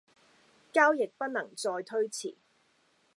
交易不能再推遲